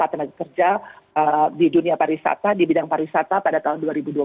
lima tenaga kerja di dunia pariwisata di bidang pariwisata pada tahun dua ribu dua puluh